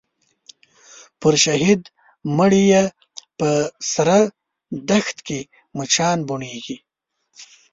پر شهید مړي یې په سره دښت کي مچان بوڼیږي